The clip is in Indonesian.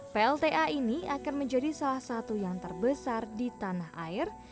plta ini akan menjadi salah satu yang terbesar di tanah air